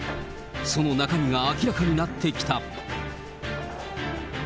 その中身が明らかになってきた。